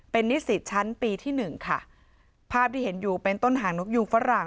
เป็นนิสิตชั้นปีที่หนึ่งค่ะภาพที่เห็นอยู่เป็นต้นหางนกยูงฝรั่ง